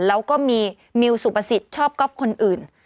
แล้วก็มีมิวสุประสิทธิ์ชอบก๊อฟคนอื่น